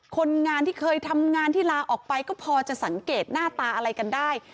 คนงานที่เคยทำงานที่ลาออกไปก็พอจะสังเกตหน้าตาอะไรกันได้